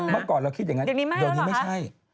เมื่อก่อนเราคิดอย่างนั้นเดี๋ยวนี้ไม่ใช่